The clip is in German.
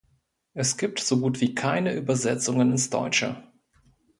Es gibt so gut wie keine Übersetzungen ins Deutsche.